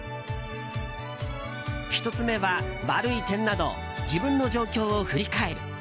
１つ目は、悪い点など自分の状況を振り返る。